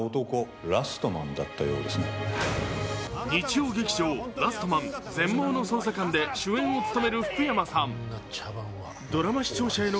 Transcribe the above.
日曜劇場「ラストマン−全盲の捜査官−」で、主演を務める福山さん。